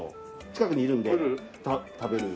近くにいるんで食べる。